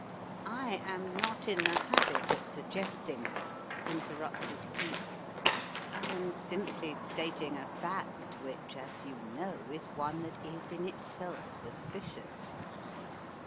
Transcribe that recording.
"I am not in the habit of suggesting," interrupted Cleek, "I am simply stating a fact which, as you know, is one that is in itself suspicious.